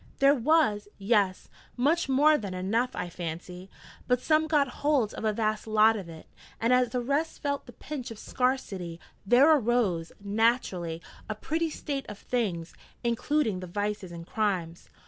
'There was yes: much more than enough, I fancy. But some got hold of a vast lot of it, and as the rest felt the pinch of scarcity, there arose, naturally, a pretty state of things including the vices and crimes.'